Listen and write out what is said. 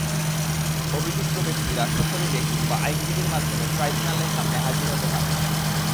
অভিযুক্ত ব্যক্তিরা সশরীরে কিংবা আইনজীবীর মাধ্যমে ট্রাইব্যুনালের সামনে হাজির হতে পারবেন।